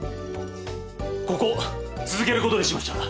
ここ続けることにしました。